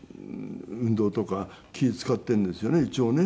運動とか気ぃ使っているんですよね一応ね。